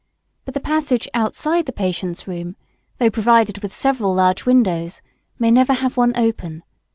But the passage outside the patient's room, though provided with several large windows, may never have one open.